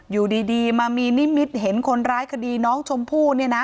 อยู่ดีมามีนิมิตเห็นคนร้ายคดีน้องชมพู่เนี่ยนะ